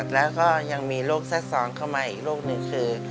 แล้วก็ยังมีโรคแทรกซ้อนเข้ามาอีกโรคนึงคือ